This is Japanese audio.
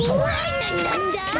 ななんだ？